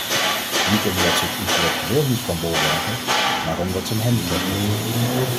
Niet omdat ze het intellectueel niet kan bolwerken, maar omdat ze een handicap heeft.